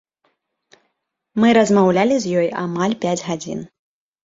Мы размаўлялі з ёй амаль пяць гадзін.